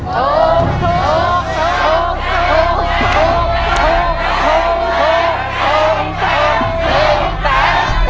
ถูก